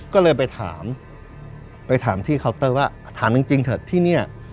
ก็เลยไปถามไปถามที่เคาน์เตอร์ว่าถามจริงเถอะที่เนี่ย